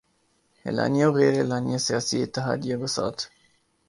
اعلانیہ وغیر اعلانیہ سیاسی اتحادیوں کو ساتھ